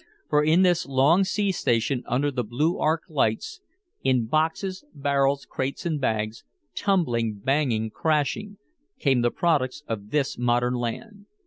For in this long sea station, under the blue arc lights, in boxes, barrels, crates and bags, tumbling, banging, crashing, came the products of this modern land.